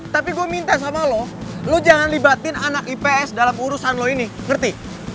tapi gue minta sama lo lo jangan libatin anak ips dalam urusan lo ini ngerti